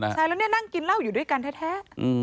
ใช่แล้วนี่นั่งกินเหล้าอยู่ด้วยกันแท้